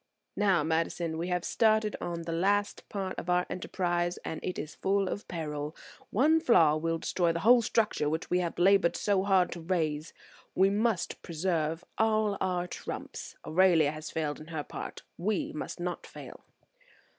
"Now, Madison, we have started on the last part of our enterprise and it is full of peril: one flaw will destroy the whole structure which we have labored so hard to raise. We must preserve all our trumps. Aurelia has failed in her part: we must not fail."